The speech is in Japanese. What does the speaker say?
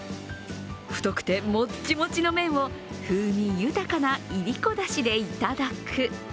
太くてもちもちの麺を風味豊かなイリコだしでいただく。